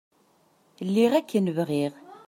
Lliɣ akken bɣiɣ.